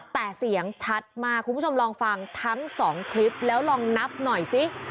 แต่เสียงชัดมากคุณผู้ชมลองฟังทั้งสองคลิปแล้วลองนับหน่อยสิ